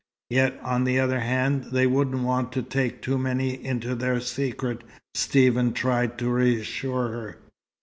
"Yet, on the other hand, they wouldn't want to take too many into their secret," Stephen tried to reassure her.